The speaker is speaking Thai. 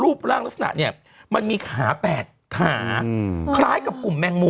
รูปร่างลักษณะเนี่ยมันมีขาแปลกขาคล้ายกับกลุ่มแมงมุมอ่ะ